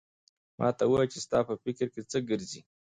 ما ته وایه چې ستا په فکر کې څه ګرځي؟